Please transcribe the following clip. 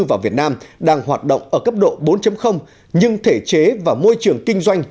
vào việt nam đang hoạt động ở cấp độ bốn nhưng thể chế và môi trường kinh doanh